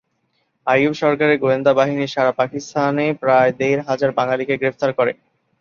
আইয়ুব সরকারের গোয়েন্দাবাহিনী সারা পাকিস্তানে প্রায় দেড় হাজার বাঙালিকে গ্রেফতার করে।